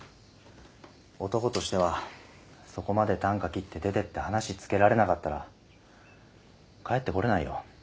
男としてはそこまでたんか切って出てって話つけられなかったら帰ってこれないよ。